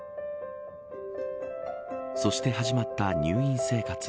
そして始まった入院生活。